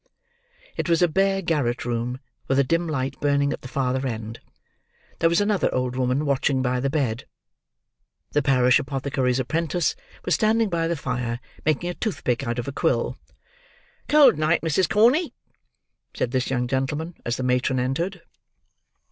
It was a bare garret room, with a dim light burning at the farther end. There was another old woman watching by the bed; the parish apothecary's apprentice was standing by the fire, making a toothpick out of a quill. "Cold night, Mrs. Corney," said this young gentleman, as the matron entered.